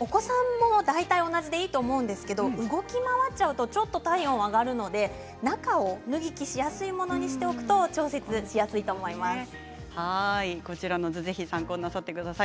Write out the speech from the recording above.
お子さんも大体同じでいいと思うんですけど動き回っちゃうとちょっと体温が上がるので中を脱ぎ着しやすいものにしてこちらの図ぜひ参考になさってください。